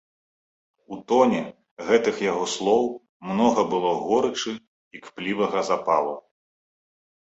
У тоне гэтых яго слоў многа было горычы і кплівага запалу.